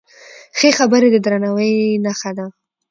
ښې خبرې د درناوي نښه ده.